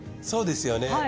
そうですよね。